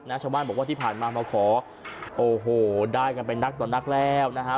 ชาวบ้านบอกว่าที่ผ่านมามาขอโอ้โหได้กันไปนักต่อนักแล้วนะฮะ